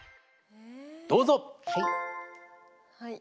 どうぞ！